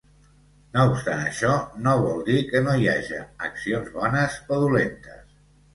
No obstant això, no vol dir que no hi haja accions bones o dolentes.